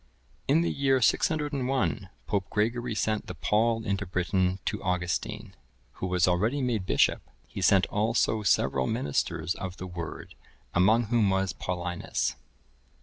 [I, 25.] In the year 601, Pope Gregory sent the pall into Britain to Augustine, who was already made bishop; he sent also several ministers of the Word, among whom was Paulinus.